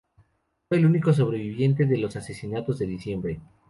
Fue el único sobreviviente de los Asesinatos de Diciembre.